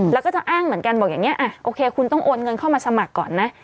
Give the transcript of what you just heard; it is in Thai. แล้วก็จะอ้างเหมือนกันบอกอย่างนี้โอเคคุณต้องโอนเงินเข้ามาสมัครก่อนนะ